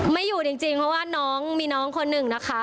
ไม่อยู่จริงเพราะว่าน้องมีน้องคนหนึ่งนะคะ